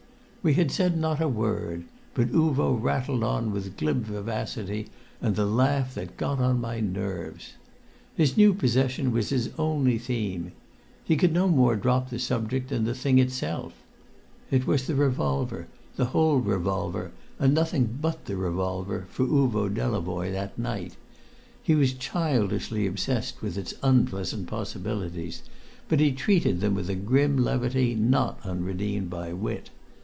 We had said not a word, but Uvo rattled on with glib vivacity and the laugh that got upon my nerves. His new possession was his only theme. He could no more drop the subject than the thing itself. It was the revolver, the whole revolver, and nothing but the revolver for Uvo Delavoye that night. He was childishly obsessed with its unpleasant possibilities, but he treated them with a grim levity not unredeemed by wit.